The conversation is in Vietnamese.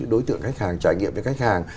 đối tượng khách hàng trải nghiệm với khách hàng